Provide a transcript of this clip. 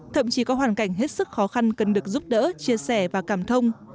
thậm chí có hoàn cảnh hết sức khó khăn cần được giúp đỡ chia sẻ và cảm thông